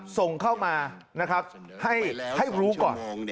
ส่งเข้ามาให้รู้ก่อน